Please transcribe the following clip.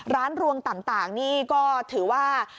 ร้านรวมต่างนี่ก็ถือว่า